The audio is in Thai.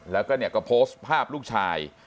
แล้วก็เนี่ยก็โพสต์ภาพลูกชาย